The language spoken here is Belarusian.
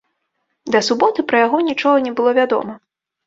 Да суботы пра яго нічога не было вядома.